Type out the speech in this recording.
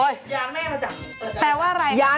ย้านแม่มาจาก